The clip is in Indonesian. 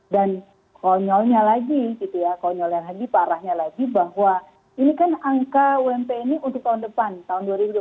dan konyolnya lagi gitu ya konyolnya lagi parahnya lagi bahwa ini kan angka wmp ini untuk tahun depan tahun dua ribu dua puluh empat